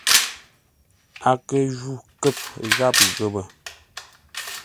A kə ju kə̂p gháp ghəpə.